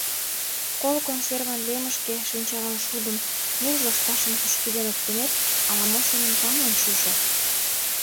Кол консерван лемышке шинчаланшудым, нуж лышташым пӱчкеден оптымет ала-мо семын тамлын чучо.